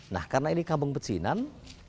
nah karena ini kampung pecinan